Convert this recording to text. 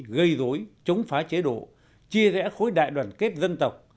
gây dối chống phá chế độ chia rẽ khối đại đoàn kết dân tộc